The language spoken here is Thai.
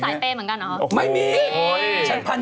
นี่เข้าวือสายเป้เหรอ